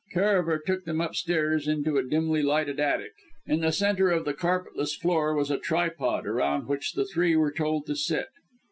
Karaver took them upstairs into a dimly lighted attic. In the centre of the carpetless floor was a tripod, around which the three were told to sit.